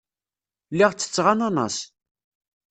Lliɣ ttetteɣ ananaṣ.